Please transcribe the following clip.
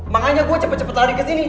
makanya gue cepet cepet lari kesini